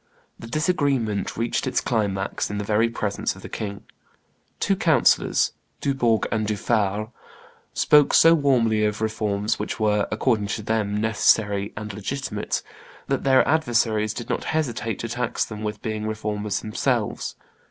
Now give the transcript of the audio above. The disagreement reached its climax in the very presence of the king. Two councillors, Dubourg and Dufaure, spoke so warmly of reforms which were, according to them, necessary and legitimate, that their adversaries did not hesitate to tax them with being Reformers themselves.